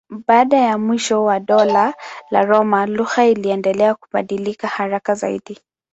Baada ya mwisho wa Dola la Roma lugha iliendelea kubadilika haraka zaidi.